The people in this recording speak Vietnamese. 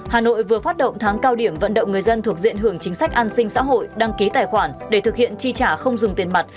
hà nội vừa phát động tháng cao điểm vận động người dân thuộc diện hưởng chính sách an sinh xã hội đăng ký tài khoản để thực hiện chi trả không dùng tiền mặt